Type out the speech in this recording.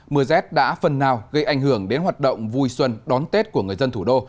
mưa rét đã phần nào gây ảnh hưởng đến hoạt động vui xuân đón tết của người dân thủ đô